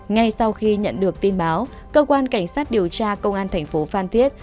ngay sau khi nhận được tin báo cơ quan cảnh sát điều tra công an tp phan thiết